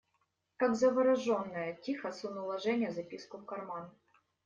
Как завороженная, тихо сунула Женя записку в карман.